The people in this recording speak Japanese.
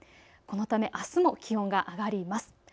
このためあすも気温が上がります。